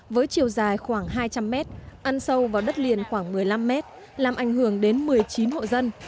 với chiều dài khoảng hai trăm linh mét ăn sâu vào đất liền khoảng một mươi năm mét làm ảnh hưởng đến một mươi chín hộ dân